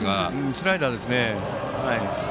スライダーですね。